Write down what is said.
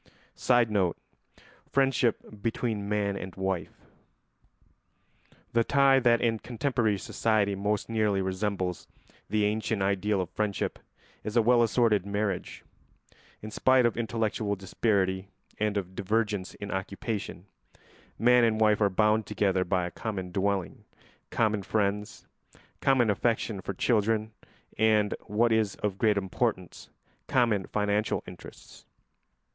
[Sidenote: Friendship between man and wife.] The tie that in contemporary society most nearly resembles the ancient ideal of friendship is a well assorted marriage. In spite of intellectual disparity and of divergence in occupation, man and wife are bound together by a common dwelling, common friends, common affection for children, and, what is of great importance, common financial interests.